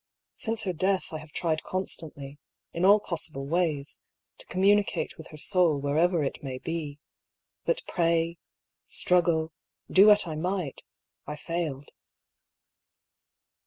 Since her death I have tried constantly, in all possible ways, to communicate with her soul, wherever it may be. But pray, struggle, do what I might, I failed."